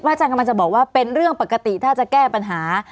อาจารย์กำลังจะบอกว่าเป็นเรื่องปกติถ้าจะแก้ปัญหา